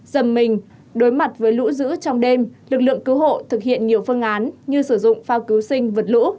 dầm mình đối mặt với lũ dữ trong đêm lực lượng cứu hộ thực hiện nhiều phương án như sử dụng phao cứu sinh vượt lũ